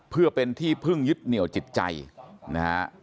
เพื่อเป็นที่พึ่งยึดเหนี่ยวจิตใจนะฮะ